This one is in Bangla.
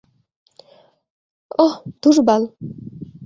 ওহ, ধুর বাল।